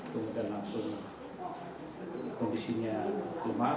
kemudian langsung kondisinya rumah